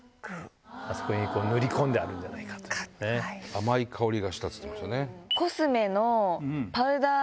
甘い香りがしたって言ってましたよね。